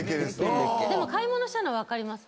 でも買い物しちゃうのは分かります。